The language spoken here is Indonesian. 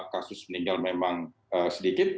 kasus meninggal memang sedikit